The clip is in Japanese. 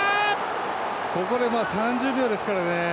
ここで３０秒ですからね。